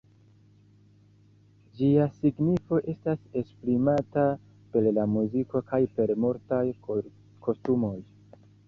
Ĝia signifo estas esprimata per la muziko kaj per multaj kostumoj.